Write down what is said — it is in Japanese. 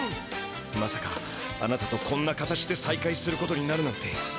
まさかあなたとこんな形でさいかいすることになるなんて。